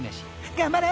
［頑張れ！］